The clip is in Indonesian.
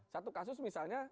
satu kasus misalnya